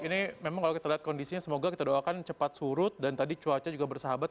ini memang kalau kita lihat kondisinya semoga kita doakan cepat surut dan tadi cuaca juga bersahabat